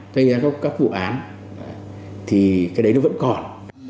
thế thì các vụ án thì cái đấy nó vẫn còn